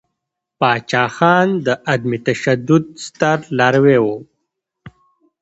پاچاخان د عدم تشدد ستر لاروی ؤ.